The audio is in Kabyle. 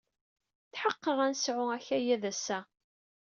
Tḥeqqeɣ ad nesɛu akayad ass-a.